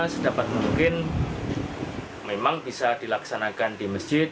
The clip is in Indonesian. sedapat mungkin memang bisa dilaksanakan di masjid